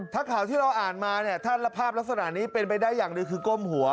ถ้าข่าวที่เราอ่านมาเนี่ยถ้าภาพลักษณะนี้เป็นไปได้อย่างหนึ่งคือก้มหัว